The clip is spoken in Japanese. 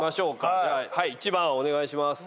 じゃあ１番お願いします。